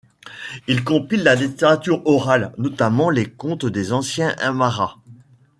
Il compile la littérature orale, notamment les contes des anciens aymaras.